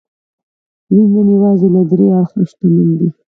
وینز نن یوازې له دې اړخه شتمن دی.